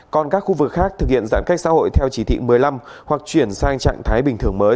còn các khu vực khác thực hiện giãn cách xã hội theo chỉ thị một mươi năm hoặc chuyển sang trạng thái bình thường mới